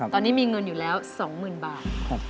ตอนนี้มีเงินอยู่แล้ว๒๐๐๐บาท